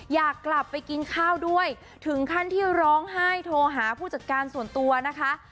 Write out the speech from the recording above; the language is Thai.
อยากกลับไปกินข้าวด้วยถึงขั้นที่ร้องไห้โทรหาผู้จัดการส่วนตัวนะคะ